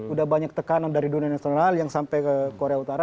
udah banyak tekanan dari dunia internasional yang sampai ke korea utara